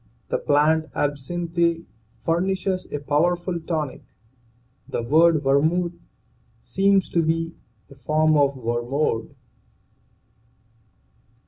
The plant (absinthe) furnishes a powerful tonic. The word vermuth seems to be a form of wermod.